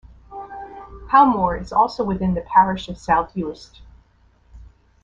Howmore is also within the parish of South Uist.